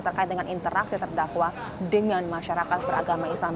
terkait dengan interaksi terdakwa dengan masyarakat beragama islam